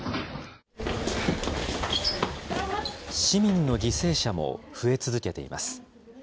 市民の犠牲者も増え続けています。